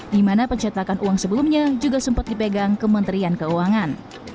di mana pencetakan uang sebelumnya juga sempat dipegang kementerian keuangan